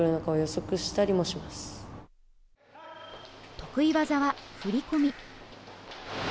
得意技はふりこみ。